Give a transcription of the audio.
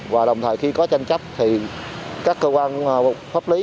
và đồng thời khi có tranh chấp thì các cơ quan pháp lý